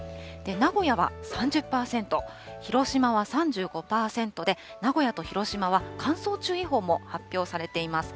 名古屋は３０％、広島は３５％で、名古屋と広島は乾燥注意報も発表されています。